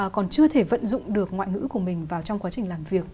còn chưa thể vận dụng được ngoại ngữ của mình vào trong quá trình làm việc